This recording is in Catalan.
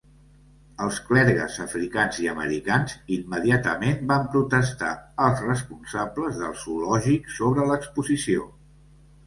Els clergues africans i americans immediatament van protestar als responsables del zoològic sobre l'exposició.